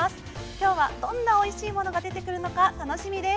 今日はどんなおいしいものが出てくるのか楽しみです。